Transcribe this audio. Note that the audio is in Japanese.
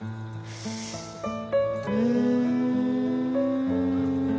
うん。